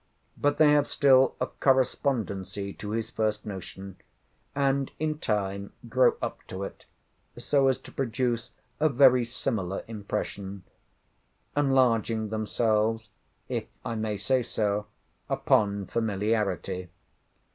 But they have still a correspondency to his first notion, and in time grow up to it, so as to produce a very similar impression: enlarging themselves (if I may say so) upon familiarity.